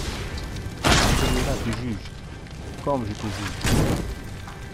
Celui-là te juge, comme je te juge.